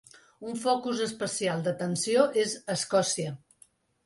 Un focus especial d’atenció és Escòcia.